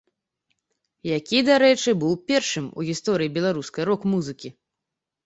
Які, дарэчы, быў першым у гісторыі беларускай рок-музыкі.